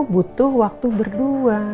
butuh waktu berdua